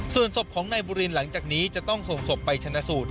ส่วนศพของนายบุรินหลังจากนี้จะต้องส่งศพไปชนะสูตร